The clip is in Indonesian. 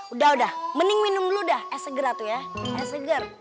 udah udah mending minum dulu dah es segera tuh ya es seger